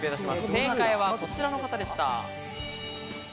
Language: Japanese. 正解はこちらの方でした。